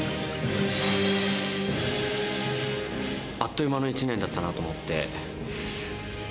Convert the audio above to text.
あっという間の１年だったなと思って。